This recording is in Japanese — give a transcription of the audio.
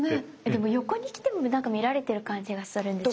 でも横に来てもなんか見られてる感じがするんです。